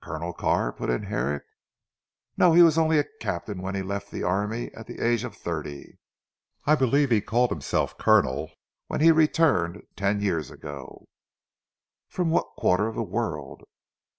"Colonel Carr?" put in Herrick. "No! he was only a captain when he left the army at the age of thirty. I believe he called himself Colonel when he returned ten years ago." "From what quarter of the world?"